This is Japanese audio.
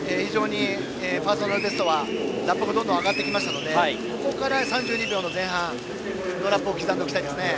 ここからラップがどんどん上がってきたのでここから３２秒の前半のラップを刻んでおきたいですね。